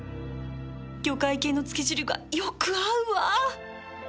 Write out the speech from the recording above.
魚介系のつけ汁がよく合うわ